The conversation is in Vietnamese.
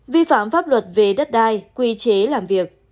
vi phạm pháp luật về đất đai quy chế làm việc